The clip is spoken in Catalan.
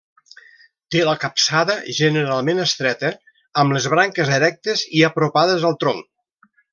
Té la capçada generalment estreta, amb les branques erectes i apropades al tronc.